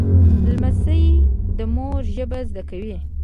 لمسی د مور ژبه زده کوي.